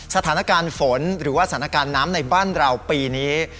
สถานการณ์ฝนหรือว่าสถานการณ์น้ำในบ้านเราปีนี้